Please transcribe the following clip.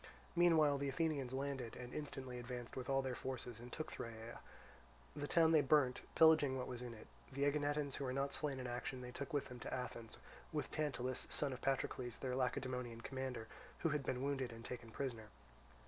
Meanwhile the Athenians landed, and instantly advanced with all their forces and took Thyrea. The town they burnt, pillaging what was in it; the Aeginetans who were not slain in action they took with them to Athens, with Tantalus, son of Patrocles, their Lacedaemonian commander, who had been wounded and taken prisoner.